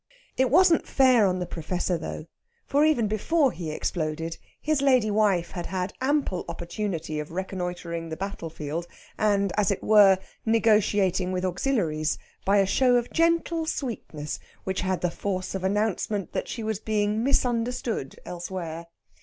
It wasn't fair on the Professor, though; for even before he exploded, his lady wife had had ample opportunity of reconnoitring the battle field, and, as it were, negotiating with auxiliaries, by a show of gentle sweetness which had the force of announcement that she was being misunderstood elsewhere.